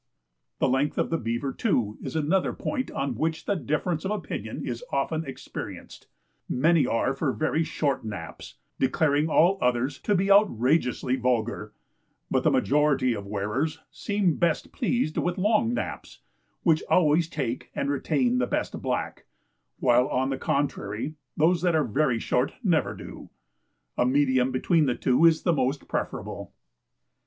The length of the beaver too is another point on which the difference of opinion is often experienced; many are for very short naps, declaring all others to be outrageously vulgar; but the majority of wearers seem best pleased with long naps, which always take and retain the best black, while, on the contrary those that are very short never do. A medium between the two is the most preferable.